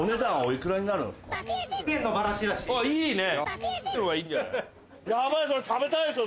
いいね。